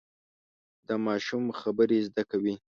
دا ماشوم خبرې زده کوي.